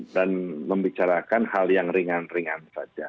dan membicarakan hal yang ringan ringan saja